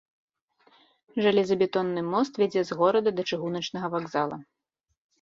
Жалезабетонны мост вядзе з горада да чыгуначнага вакзала.